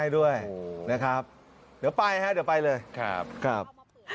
ด้วยนะครับเดี๋ยวไปฮะเดี๋ยวไปเลยครับครับ